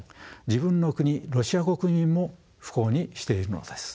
自分の国ロシア国民も不幸にしているのです。